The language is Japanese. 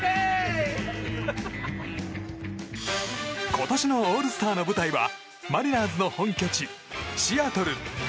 今年のオールスターの舞台はマリナーズの本拠地シアトル。